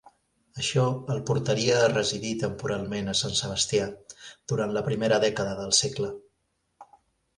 Això el portaria a residir temporalment a Sant Sebastià, durant la primera dècada del segle.